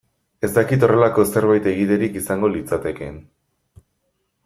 Ez dakit horrelako zerbait egiterik izango litzatekeen.